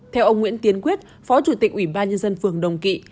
theo ông nguyễn tiến quyết phó chủ tịch ủy ban nhân dân phường đồng kỵ